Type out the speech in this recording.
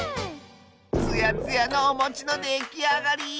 つやつやのおもちのできあがり。